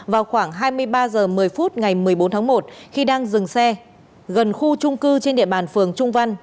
vào khoảng hai mươi ba h một mươi phút ngày một mươi bốn tháng một khi đang dừng xe gần khu trung cư trên địa bàn phường trung văn